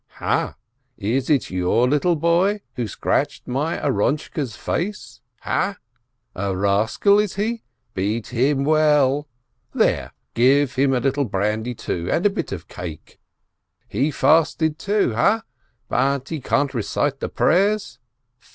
"Ha ? Is it your little boy who scratched my Aaront che's face ? Ha ? A rascal is he ? Beat him well ! There, give him a little brandy, too — and a bit of cake ! He fasted too, ha? But he can't recite the prayers?